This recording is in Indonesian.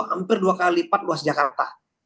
hampir dua kali lipat luas jakarta